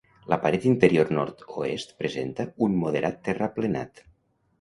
La paret interior nord-oest presenta un moderat terraplenat.